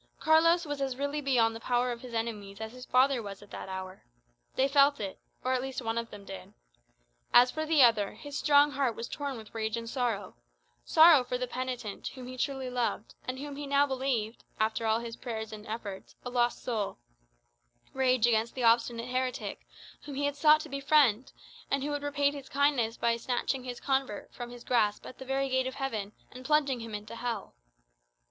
Carlos was as really beyond the power of his enemies as his father was that hour. They felt it; or at least one of them did. As for the other, his strong heart was torn with rage and sorrow: sorrow for the penitent, whom he truly loved, and whom he now believed, after all his prayers and efforts, a lost soul; rage against the obstinate heretic, whom he had sought to befriend, and who had repaid his kindness by snatching his convert from his grasp at the very gate of heaven, and plunging him into hell.